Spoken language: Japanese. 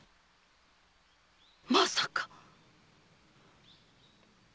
まさか！